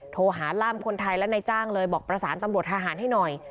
โทรหาร่ามคนไทยและนายจ้างเลยบอกประสานตำรวจทหารให้หน่อย